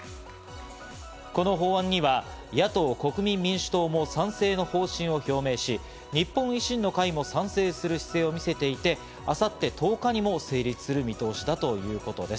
この法案には野党・国民民主党も賛成の方針を表明し、日本維新の会も賛成する姿勢を見せていて、明後日の１０日にも成立する見通しだということです。